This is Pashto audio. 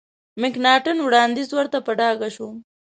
مکناټن وړاندیز ورته په ډاګه شو.